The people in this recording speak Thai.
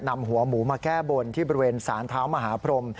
นำหัวหมูมาแก้บนที่บริเวณสารเท้ามหาพรม